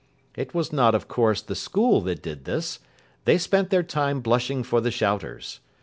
It was not, of course, the school that did this. They spent their time blushing for the shouters.